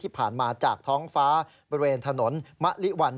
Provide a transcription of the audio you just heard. ที่ผ่านมาจากท้องฟ้าบริเวณถนนมะลิวัน